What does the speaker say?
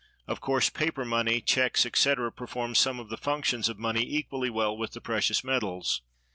Of course, paper money, checks, etc., perform some of the functions of money equally well with the precious metals.